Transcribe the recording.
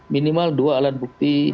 minimal dua alat bukti